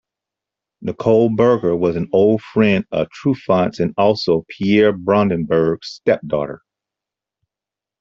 Nicole Berger was an old friend of Truffaut's and also Pierre Braunberger's stepdaughter.